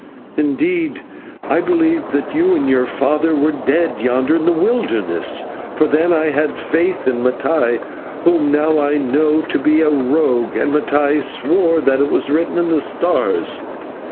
Indeed I believed that you and your father were dead yonder in the wilderness, for then I had faith in Mattai, whom now I know to be a rogue, and Mattai swore that it was written in the stars.